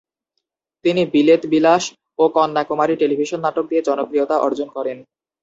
তিনি "বিলেত বিলাস" ও "কন্যা কুমারী" টেলিভিশন নাটক দিয়ে জনপ্রিয়তা অর্জন করেন।